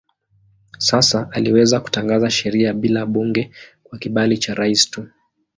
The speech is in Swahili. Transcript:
Sasa aliweza kutangaza sheria bila bunge kwa kibali cha rais tu.